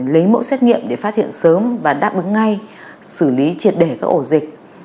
lấy mẫu xét nghiệm để phát hiện sớm và đáp ứng ngay xử lý triệt để các ổ dịch